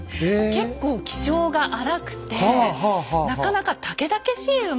結構気性が荒くてなかなかたけだけしい馬なんですね。